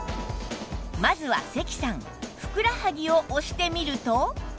まずは関さんふくらはぎを押してみると